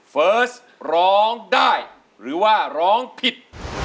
เฟิร์สร้องได้หรือว่าร้องผิด